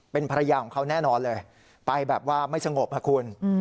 เป็นภรรยาของเขาแน่นอนเลยไปแบบว่าไม่สงบค่ะคุณ